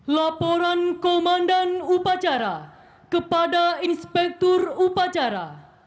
laporan komandan upacara kepada inspektur upacara